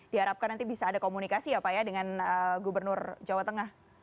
diharapkan nanti bisa ada komunikasi ya pak ya dengan gubernur jawa tengah